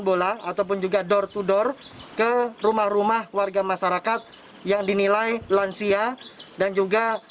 bola ataupun juga door to door ke rumah rumah warga masyarakat yang dinilai lansia dan juga